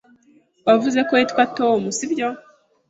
Wavuze ko witwa Tom, sibyo?